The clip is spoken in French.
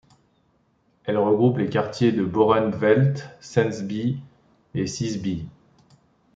Elle regroupe les quartiers de Börentwedt, Sensby et Sieseby.